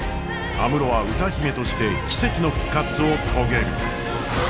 安室は歌姫として奇跡の復活を遂げる。